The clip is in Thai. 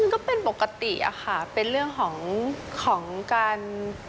ก็เป็นปกติอะค่ะเป็นเรื่องของการ